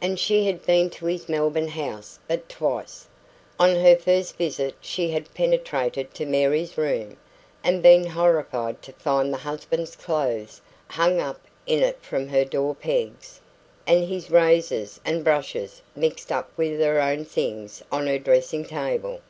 And she had been to his Melbourne house but twice. On her first visit she had penetrated to Mary's room, and been horrified to find the husband's clothes hung up in it from her door pegs, and his razors and brushes mixed up with her things on her dressing table.